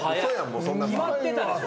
決まってたでしょ。